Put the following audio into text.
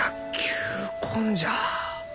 球根じゃ。